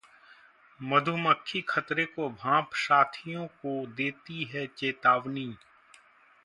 मधुमक्खी खतरे को भांप साथियों को देती है चेतावनी